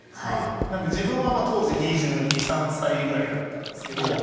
なので自分は当時２２２３歳ぐらいだったんですけど。